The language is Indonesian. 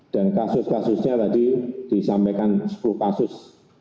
dan kasus kasusnya tadi disampaikan sepuluh kasus